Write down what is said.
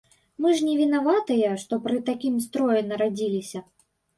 Мы ж не вінаватыя, што пры такім строі нарадзіліся.